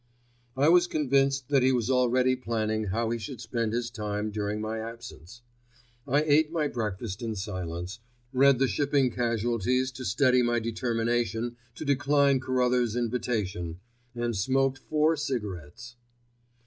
I was convinced that he was already planning how he should spend his time during my absence. I ate my breakfast in silence, read the shipping casualties to steady my determination to decline Carruthers' invitation, and smoked four cigarettes.